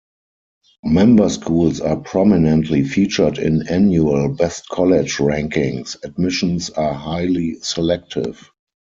Member schools are prominently featured in annual "Best College" rankings; admissions are highly selective.